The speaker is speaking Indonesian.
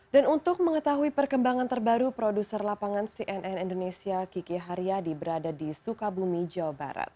dan untuk mengetahui perkembangan terbaru produser lapangan cnn indonesia kiki haryadi berada di sukabumi jawa barat